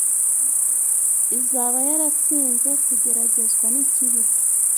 izaba yaratsinze kugeragezwa n’ikibi,